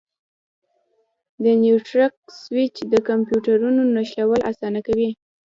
د نیټورک سویچ د کمپیوټرونو نښلول اسانه کوي.